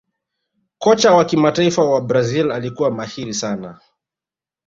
kocha wa kimataifa wa Brazil alikuwa mahiri sana